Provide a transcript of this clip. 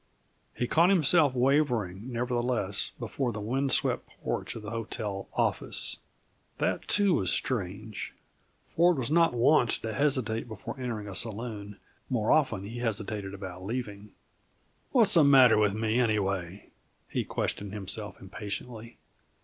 He caught himself wavering, nevertheless, before the wind swept porch of the hotel "office." That, too, was strange. Ford was not wont to hesitate before entering a saloon; more often he hesitated about leaving. "What's the matter with me, anyway?" he questioned himself impatiently.